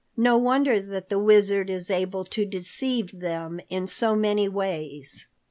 "No wonder that the Wizard is able to deceive them in so many ways."